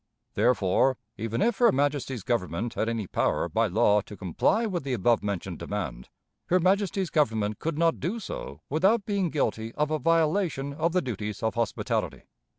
Therefore, even if her Majesty's Government had any power, by law, to comply with the above mentioned demand, her Majesty's Government could not do so without being guilty of a violation of the duties of hospitality.